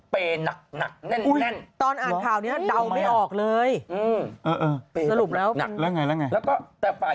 โปรดติดตามตอนต่อไป